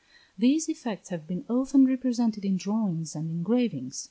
These effects have been often represented in drawings and engravings.